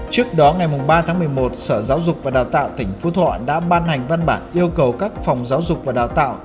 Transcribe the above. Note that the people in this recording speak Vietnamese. trước đó ngày ba tháng một mươi một sở giáo dục và đào tạo tỉnh phú thọ đã ban hành văn bản yêu cầu các phòng giáo dục và đào tạo